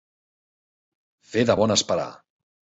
Fer de bon esperar.